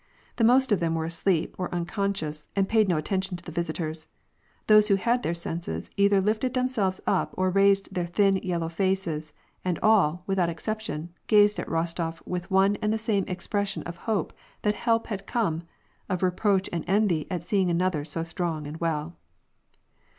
The most of them were asleep or un conscious, and paid no attention to the visitors. Those who had their senses, either lifted themselves up or raised their thin, yellow faces, and all, without exception, gazed at Rostof with one and the same expression of hope that help had come, of reproach and envy at seeing another so strong and well.